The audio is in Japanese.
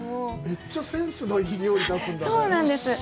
めっちゃセンスのいい料理を出すんだね。